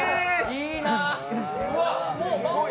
いいな！